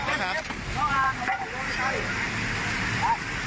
ทิ้งทุกอย่างขยาในมือท่านลงถังเถอะครับจำได้ไหมข้อความนี้